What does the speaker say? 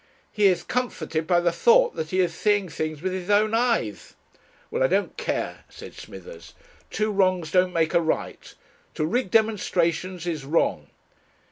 He is comforted by the thought that he is seeing things with his own eyes." "Well, I don't care," said Smithers; "two wrongs don't make a right. To rig demonstrations is wrong."